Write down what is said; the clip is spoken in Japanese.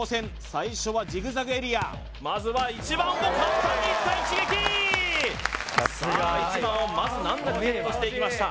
最初はジグザグエリアまずは１番をとったいった一撃１番を難なくゲットしていきました